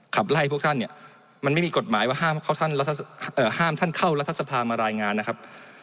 ขับไล่พวกท่านเนี่ยมันไม่มีกฎหมายว่าห้ามท่านเข้ารัฐสภามารายงานนะครับ